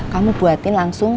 kamu buatin langsung